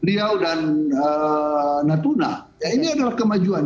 ini adalah kemajuan